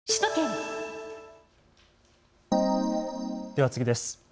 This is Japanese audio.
では次です。